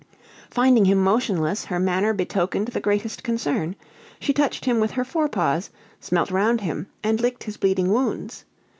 Finding him motionless, her manner betokened the greatest concern; she touched him with her fore paws, smelt round him, and licked his bleeding wounds.